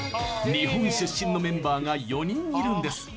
日本出身のメンバーが４人いるんです。